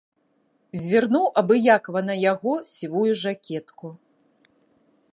Зірнуў абыякава на яго сівую жакетку.